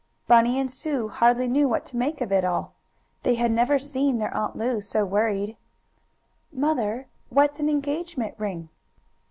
Bunny and Sue hardly knew what to make of it all. They had never seen their Aunt Lu so worried. "Mother, what's an engagement ring?"